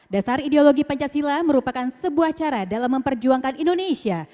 dasar ideologi pancasila merupakan sebuah cara dalam memperjuangkan indonesia